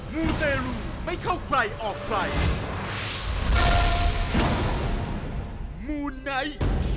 มูเตรลูไม่เข้าใครออกใคร